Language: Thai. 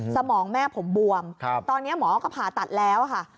สมองแม่ผมบวมตอนนี้หมอก็ผ่าตัดแล้วค่ะ